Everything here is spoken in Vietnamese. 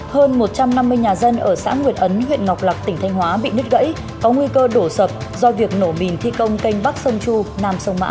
hơn một trăm năm mươi nhà dân ở xã nguyệt ấn huyện ngọc lạc tỉnh thanh hóa bị nứt gãy có nguy cơ đổ sập do việc nổ mìn thi công canh bắc sông chu nam sông mã